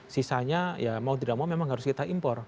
sisanya ya mau tidak mau memang harus kita impor